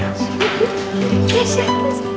ketemu mama dulu